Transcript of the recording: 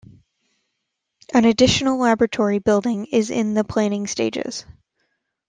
An additional laboratory building is in the planning stages.